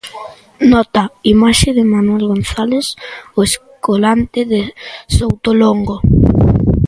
Nota: imaxe de Manuel González, o Escolante de Soutolongo.